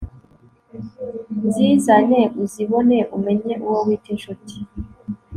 nzizane uzibone umenye uwo wita inshuti